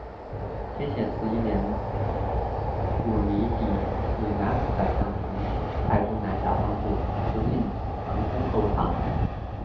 天显十一年鹘离底以南府宰相从太宗南下帮助石敬瑭攻后唐。